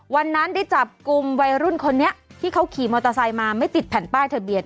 วันนั้นได้จับกลุ่มวัยรุ่นคนนี้ที่เขาขี่มอเตอร์ไซค์มาไม่ติดแผ่นป้ายทะเบียน